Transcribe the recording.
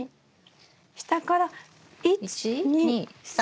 下から１２３。